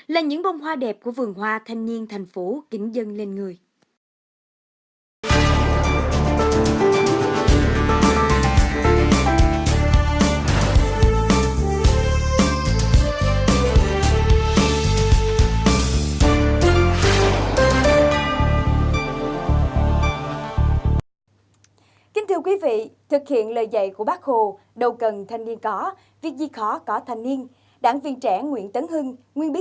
là những bông hoa đẹp của vườn hoa thanh niên thành phố kính dân lên người